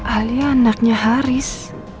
alia anaknya haris